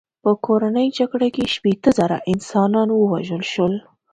په کورنۍ جګړه کې شپېته زره انسانان ووژل شول.